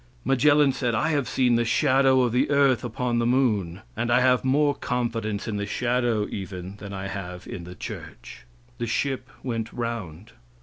Magellan said: "I have seen the shadow of the earth upon the moon, and I have more confidence in the shadow even than I have in the church." The ship went round.